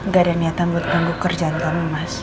gak ada niatan buat ganggu kerjaan kamu mas